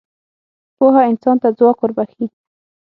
پوهه انسان ته ځواک وربخښي.